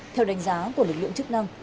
theo đánh giá của lực lượng chức năng